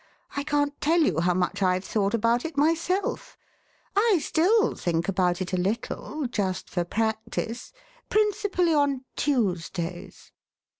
I can't tell you how much I've thought about it myself; I still think about it a little, just for practice — principally on Tuesdays."